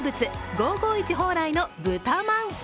５５１蓬莱の豚まん。